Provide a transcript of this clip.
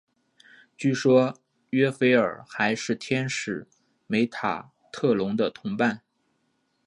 据说约斐尔还是天使梅塔特隆的同伴。